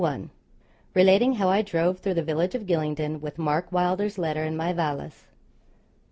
RELATING HOW I DROVE THROUGH THE VILLAGE OF GYLINGDEN WITH MARK WYLDER'S LETTER IN MY VALISE.